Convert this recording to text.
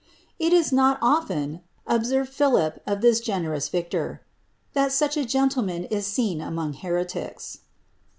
^ It is ilen," observed Philip of this generous victor, ^ that such a gen n is seen among heretics."